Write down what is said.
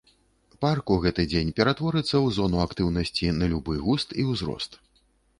Парк у гэты дзень ператворыцца ў зону актыўнасці на любы густ і ўзрост.